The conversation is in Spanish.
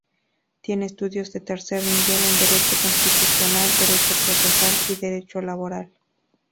Tiene estudios de tercer nivel en Derecho Constitucional, Derecho Procesal y Derecho Laboral.